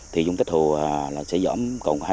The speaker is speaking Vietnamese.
thì dung tích hồ là sẽ giỏm cộng hai trăm năm mươi